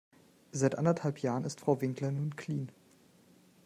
Seit anderthalb Jahren ist Frau Winkler nun clean.